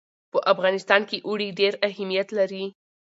په افغانستان کې اوړي ډېر اهمیت لري.